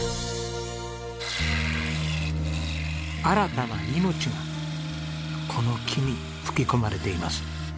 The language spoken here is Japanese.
新たな命がこの木に吹き込まれています。